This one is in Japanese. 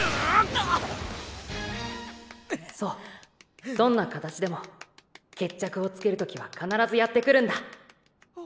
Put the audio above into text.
そうどんな形でも決着をつける時は必ずやって来るんだお！